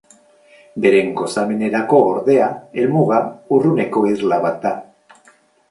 Beren gozamenerako, ordea, helmuga, urruneko irla bat da.